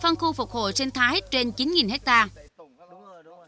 phân khu phục hồi sinh thái trên chín hectare